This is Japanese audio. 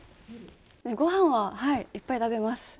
ご飯はいっぱい食べます。